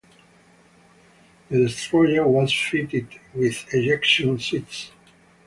The Destroyer was fitted with ejection seats.